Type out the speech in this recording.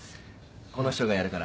この人がやるから。